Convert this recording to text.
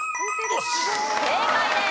正解です！